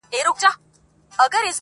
باغ که باغوان لري، چغال بيا خداى لري.